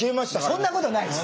そんなことないです。